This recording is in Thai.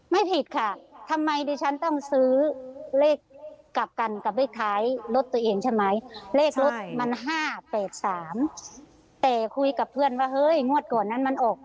ไม่ผิดค่ะทำไมดิฉันต้องซื้อเลขกลับกันกับเลขท้ายรถตัวเองใช่ไหมเลขรถมัน๕๘๓แต่คุยกับเพื่อนว่าเฮ้ยงวดก่อนนั้นมันออก